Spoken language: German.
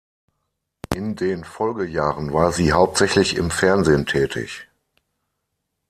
In den Folgejahren war sie hauptsächlich im Fernsehen tätig.